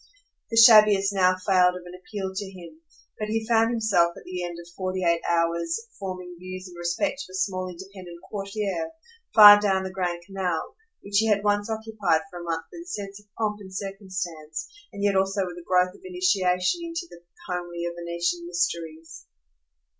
The shabbiest now failed of an appeal to him, but he found himself at the end of forty eight hours forming views in respect to a small independent quartiere, far down the Grand Canal, which he had once occupied for a month with a sense of pomp and circumstance and yet also with a growth of initiation into the homelier Venetian mysteries.